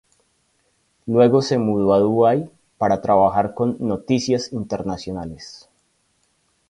Luego se mudó a Dubái para trabajar con "Noticias Internacionales".